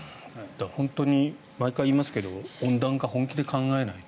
本当に毎回言いますけど温暖化、本気で考えないと。